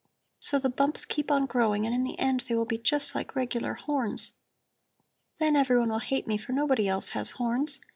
So the bumps keep on growing and in the end they will be just like regular horns. Then everyone will hate me, for nobody else has horns.